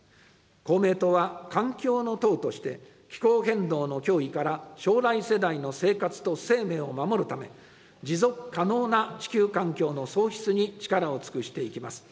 公明党は環境の党として、気候変動の脅威から将来世代の生活と生命を守るため、持続可能な地球環境の創出に力を尽くしていきます。